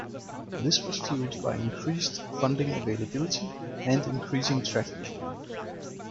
This was fueled by increased funding availability and increasing traffic.